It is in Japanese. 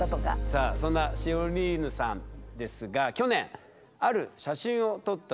さあそんなシオリーヌさんですが去年ある写真を撮ったそうなんですね。